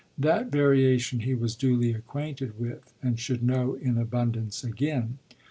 That variation he was duly acquainted with and should know in abundance again.